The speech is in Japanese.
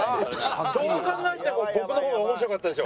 どう考えても僕の方が面白かったでしょ。